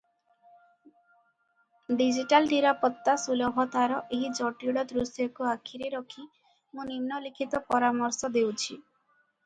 Digital ନିରାପତ୍ତା ସୁଲଭତାର ଏହି ଜଟିଳ ଦୃଶ୍ୟକୁ ଆଖିରେ ରଖି ମୁଁ ନିମ୍ନଲିଖିତ ପରାମର୍ଶ ଦେଉଛି ।